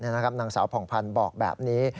นางสาวผ่องพันธ์บอกแบบนี้